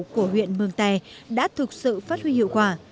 của huyện mường tè đã thực sự phát huy hiệu quả